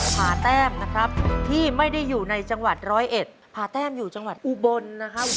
ผ่าแต้มนะครับที่ไม่ได้อยู่ในจังหวัดร้อยเอ็ดผาแต้มอยู่จังหวัดอุบลนะครับ